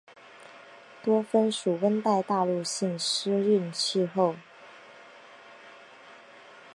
多芬属温带大陆性湿润气候。